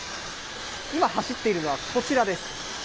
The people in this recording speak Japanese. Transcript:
今走っているのはこちらです。